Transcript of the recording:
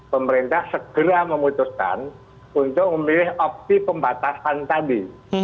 pemerintah segera memutuskan untuk memilih opsi pembatasan tadi